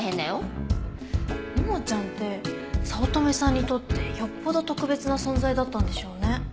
ももちゃんって早乙女さんにとってよっぽど特別な存在だったんでしょうね。